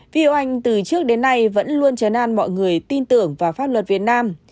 vio anh từ trước đến nay vẫn luôn chấn an mọi người tin tưởng vào pháp luật việt nam